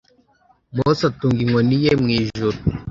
Mose atunga inkoni ye mu ijuru